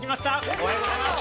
おはようございます。